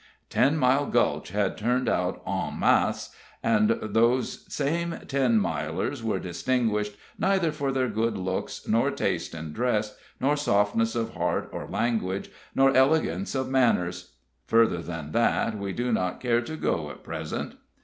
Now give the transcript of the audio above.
Ten Mile Gulch had turned out en masse, and those same Ten Milers were distinguished neither for their good looks, nor taste in dress, nor softness of heart or language, nor elegance of manners. Further than that we do not care to go at present.